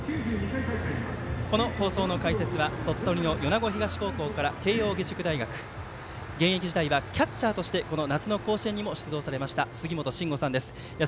この放送の解説は鳥取の米子東高校から慶応義塾大学現役時代はキャッチャーとして夏の甲子園にも出場されました杉本真吾さんです。